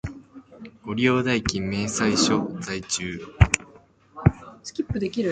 ご利用代金明細書在中